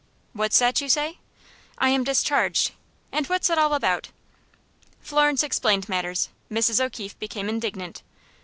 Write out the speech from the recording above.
"What's that you say?" "I am discharged." "And what's it all about?" Florence explained matters. Mrs. O'Keefe became indignant.